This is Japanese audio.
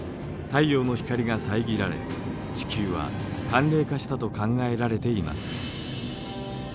太陽の光がさえぎられ地球は寒冷化したと考えられています。